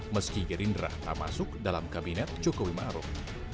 meski gerindra tak masuk dalam kabinet jokowi maruf